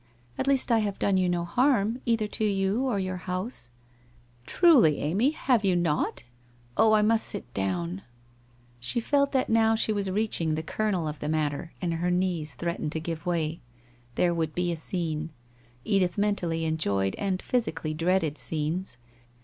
At least I have done you no harm, either to you or your house !'' Truly, Amy, have you not ? Oh, I must sit down !' She felt that now she was reaching the kernel of the matter and her knees threatened to give way. There would be a scene. Edith mentally enjoyed and physically dreaded scenes.